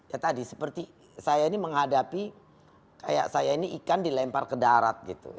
ya tadi seperti saya ini menghadapi kayak saya ini ikan dilempar ke darat gitu